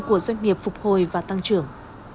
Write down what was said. của doanh nghiệp phục hồi và tăng trưởng